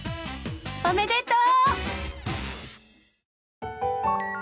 おめでとう！